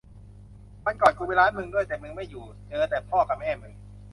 วันก่อนกูไปร้านมึงด้วย แต่มึงไม่อยู่ เจอแต่พ่อกะแม่มึง